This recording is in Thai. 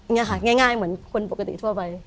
นี่ค่ะง่ายเหมือนคนปกติทั่วไป